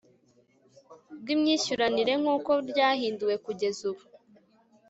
bw imyishyuranire nk uko ryahinduwe kugeza ubu